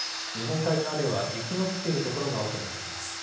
日本海側では雪の降っている所が多くなっています。